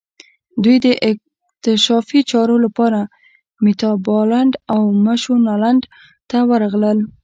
دوی د اکتشافي چارو لپاره میتابالنډ او مشونالند ته ورغلل.